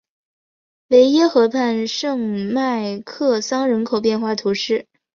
维耶河畔圣迈克桑人口变化图示